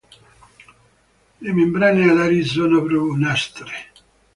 Le membrane alari sono brunastre.